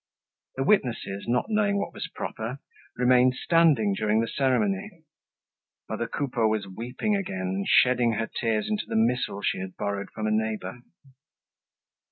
The witnesses, not knowing what was proper, remained standing during the ceremony. Mother Coupeau was weeping again and shedding her tears into the missal she had borrowed from a neighbor.